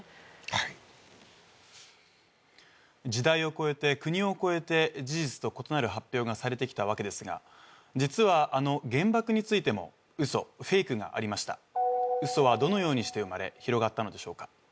はい時代を超えて国を超えて事実と異なる発表がされてきたわけですが実はあの原爆についても嘘フェイクがありました嘘はどのようにして生まれ広がったのでしょうか